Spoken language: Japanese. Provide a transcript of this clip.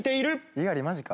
猪狩マジか。